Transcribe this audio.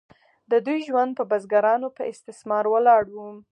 د دوی ژوند د بزګرانو په استثمار ولاړ و.